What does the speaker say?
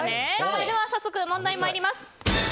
それでは早速、問題参ります。